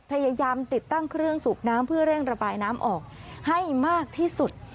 พยายามติดตั้งเครื่องสูบน้ำเพื่อเร่งระบายน้ำออกให้มากที่สุด